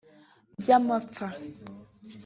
by’amapfa